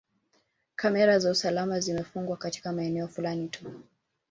Kamera za usalama zimefungwa katika maeneo fulani tu